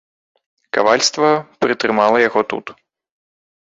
Кавальства прытрымала яго тут.